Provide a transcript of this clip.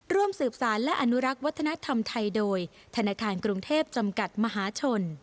ร่วมสืบสารและอนุรักษ์วัฒนธรรมไทยโดยธนาคารกรุงเทพจำกัดมหาชน